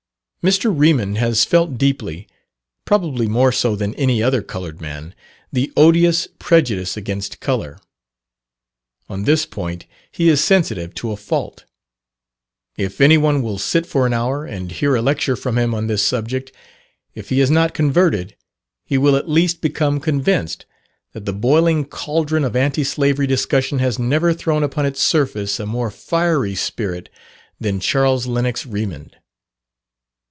Mr. Remond has felt deeply, (probably more so than any other coloured man), the odious prejudice against colour. On this point he is sensitive to a fault. If any one will sit for an hour and hear a lecture from him on this subject, if he is not converted, he will at least become convinced, that the boiling cauldron of anti slavery discussion has never thrown upon its surface a more fiery spirit than Charles Lennox Remond.